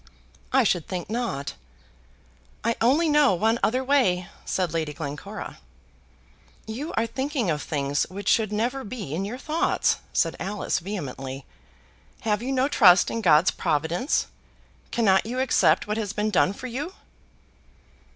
"I should think not." "I only know one other way," said Lady Glencora. "You are thinking of things which should never be in your thoughts," said Alice vehemently. "Have you no trust in God's providence? Cannot you accept what has been done for you?"